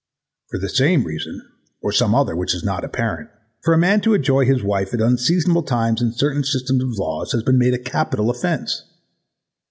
For the same reason or some other which is not apparent, for a man to enjoy his wife at unseasonable times in certain systems of laws has been made a capital offence.